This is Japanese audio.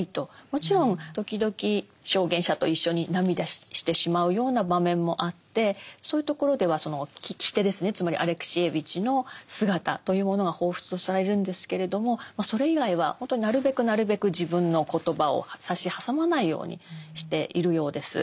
もちろん時々証言者と一緒に涙してしまうような場面もあってそういうところではその聞き手ですねつまりアレクシエーヴィチの姿というものが彷彿とされるんですけれどもそれ以外は本当になるべくなるべく自分の言葉を差し挟まないようにしているようです。